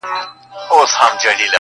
دوه شاهان په مملکت کي نه ځاییږي-